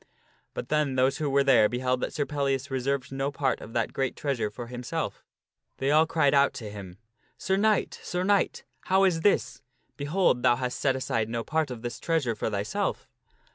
But then those who were there beheld that Sir Pellias reserved no part of that great treasure for himself, they all cried out upon him :" Sir Knight ! Sir Knight! How is this? Behold, thou hast set aside no part of this treasure for thyself."